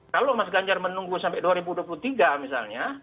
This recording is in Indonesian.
kalau mas ganjar menunggu sampai dua ribu dua puluh tiga misalnya